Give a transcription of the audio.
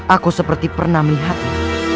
aku seperti pernah melihatnya